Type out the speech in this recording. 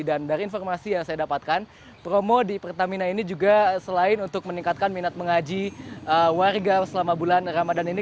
dan dari informasi yang saya dapatkan promo di pertamina ini juga selain untuk meningkatkan minat mengaji warga selama bulan ramadan ini